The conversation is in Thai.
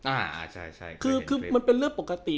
อ่าใช่ใช่คือมันเป็นเรื่องปกติ